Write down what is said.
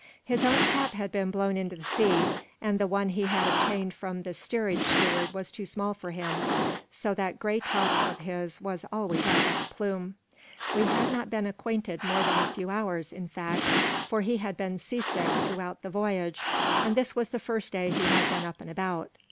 His own cap had been blown into the sea and the one he had obtained from the steerage steward was too small for him, so that gray tuft of his was always out like a plume. We had not been acquainted more than a few hours, in fact, for he had been seasick throughout the voyage and this was the first day he had been up and about.